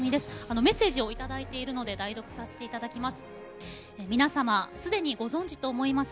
メッセージをいただいているので代読させていただきます。